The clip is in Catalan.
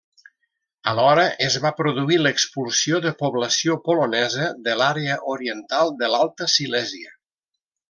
Alhora, es va produir l'expulsió de població polonesa de l'àrea oriental de l'Alta Silèsia.